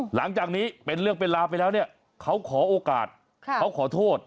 หลังจากนี้เป็นเรื่องเป็นราวไปแล้วเนี่ยเขาขอโอกาสเขาขอโทษ